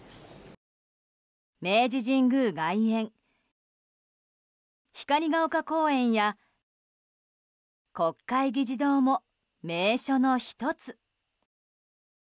明治神宮外苑光が丘公園や国会議事堂も名所の１つ。